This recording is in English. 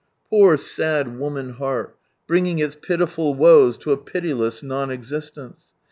" Poor sad woman heart, bringing its pitiful woes to a pitiless non existence